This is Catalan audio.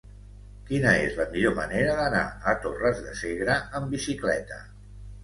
Quina és la millor manera d'anar a Torres de Segre amb bicicleta?